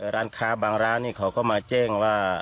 ร้านค้าบางร้านเขาก็มาแจ้งว่า